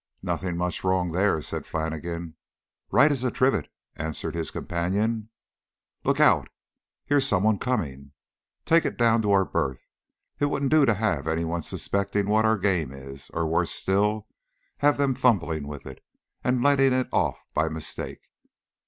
"Nothing much wrong there," said Flannigan. "Right as a trivet," answered his companion. "Look out! here's some one coming. Take it down to our berth. It wouldn't do to have any one suspecting what our game is, or, worse still, have them fumbling with it, and letting it off by mistake."